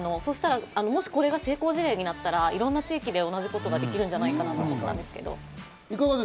これが成功事例になったらいろんな地域で同じことができるんじゃないかなと思って。